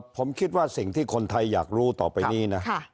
ผมคิดว่าสิ่งที่คนไทยอยากรู้ต่อไปนี้นะ